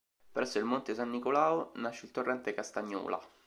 Presso il monte San Nicolao nasce il torrente Castagnola.